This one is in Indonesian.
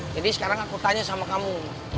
jadi sekarang aku tanya sama kamu